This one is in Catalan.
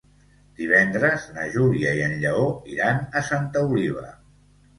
Divendres na Júlia i en Lleó iran a Santa Oliva.